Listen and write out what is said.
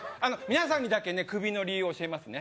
皆さんにだけね首の理由教えますね